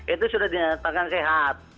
itu sudah dinyatakan sehat